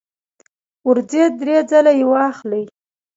ورځې درې ځله یی واخلئ